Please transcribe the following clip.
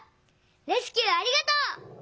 レスキューありがとう！」。